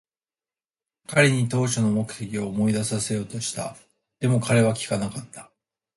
彼に当初の目的を思い出させようとした。でも、彼は聞かなかった。